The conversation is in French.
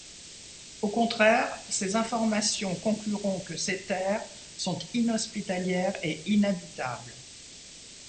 Au contraire ces informations concluront que ces Terres sont inhospitalières et inhabitables.